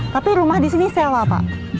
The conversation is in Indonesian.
tapi rumah di sini sewa pak